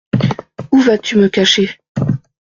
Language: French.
Où vas-tu me cacher ?